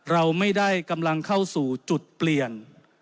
เราไม่ได้กำลังเข้าสู่จุดเปลี่ยน